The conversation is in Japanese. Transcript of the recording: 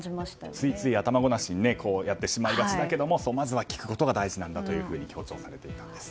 ついつい頭ごなしにやってしまいがちだけれどまずは聞くことが大事なんだと強調されていたんです。